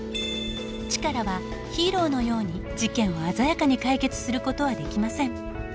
チカラはヒーローのように事件を鮮やかに解決する事はできません。